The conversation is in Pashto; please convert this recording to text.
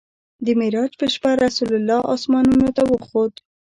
د معراج په شپه رسول الله اسمانونو ته وخوت.